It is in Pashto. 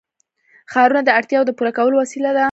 ښارونه د اړتیاوو د پوره کولو وسیله ده.